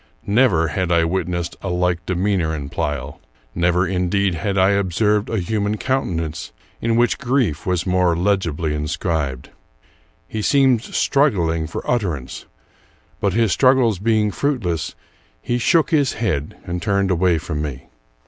Never had I witnessed a like demeanor in Pleyel. Never, indeed, had I observed a human countenance in which grief was more legibly inscribed. He seemed struggling for utterance ; but, 271 American Mystery Stories his struggles being fruitless, he shook his head and turned away from me.